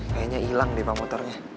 kayanya ilang deh pak motornya